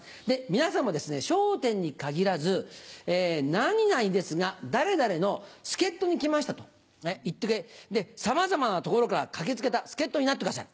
皆さんもですね『笑点』に限らず「何々ですが誰々の助っ人に来ました」と言ってさまざまなところから駆け付けた助っ人になってください。